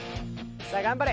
さあ頑張れ。